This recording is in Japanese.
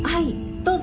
どうぞ。